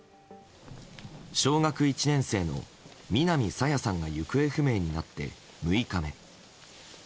小学１年生の南朝芽さんが行方不明になって６日目。